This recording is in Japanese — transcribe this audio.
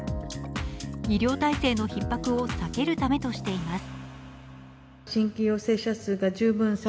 医療体制のひっ迫を避けるためとしています。